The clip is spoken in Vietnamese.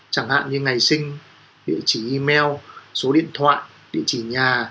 chẳng hạn như ngày sinh địa chỉ email số điện thoại địa chỉ nhà